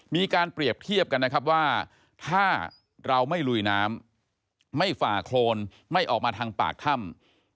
มีการเปรียบเทียบกันนะครับว่าถ้าเราไม่ลุยน้ำไม่ฝ่าโครนไม่ออกมาทางปากถ้ำ